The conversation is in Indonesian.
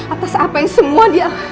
atas apa yang semua dia